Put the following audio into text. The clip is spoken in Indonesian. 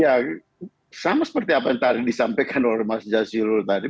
ya sama seperti apa yang tadi disampaikan oleh mas jazilul tadi